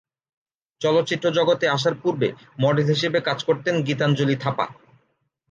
চলচ্চিত্র জগতে আসার পূর্বে মডেল হিসেবে কাজ করতেন গীতাঞ্জলি থাপা।